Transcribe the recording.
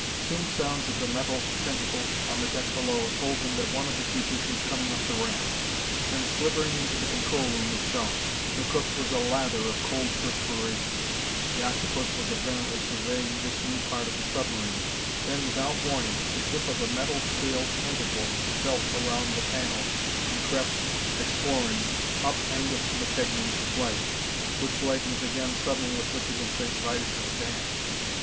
Soon sounds of the metal tentacles on the deck below told him that one of the creatures was coming up the ramp then slithering into the control room itself. The cook was a lather of cold perspiration. For a few minutes there was silence. The octopus was apparently surveying this new part of the submarine. Then, without warning, the tip of a metal scaled tentacle felt around the panel and crept, exploring, up Angus McKegnie's leg which leg was again suddenly afflicted with St. Vitus' dance.